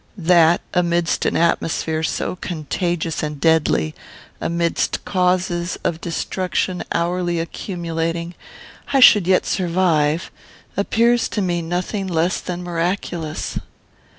That, amidst an atmosphere so contagious and deadly, amidst causes of destruction hourly accumulating, I should yet survive, appears to me nothing less than miraculous.